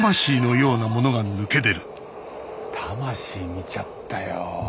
魂見ちゃったよ。